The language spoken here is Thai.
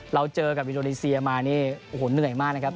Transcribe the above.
เราเจอกับอินโดนีเซียมานี่โอ้โหเหนื่อยมากนะครับ